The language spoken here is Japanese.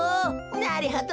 なるほど。